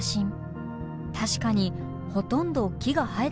確かにほとんど木が生えていません。